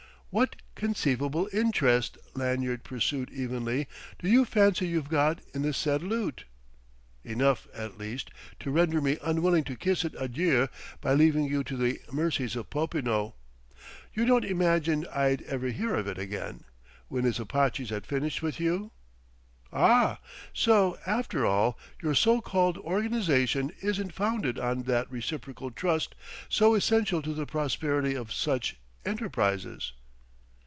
"What conceivable interest," Lanyard pursued evenly, "do you fancy you've got in the said loot?" "Enough, at least, to render me unwilling to kiss it adieu by leaving you to the mercies of Popinot. You don't imagine I'd ever hear of it again, when his Apaches had finished with you?" "Ah!... So, after all, your so called organization isn't founded on that reciprocal trust so essential to the prosperity of such enterprises!"